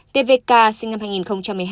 tvk sinh năm hai nghìn một mươi hai